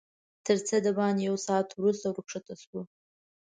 تر څه باندې یو ساعت وروسته ورښکته شوو.